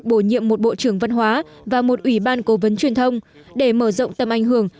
bổ nhiệm một bộ trưởng văn hóa và một ủy ban cố vấn truyền thông để mở rộng tầm ảnh hưởng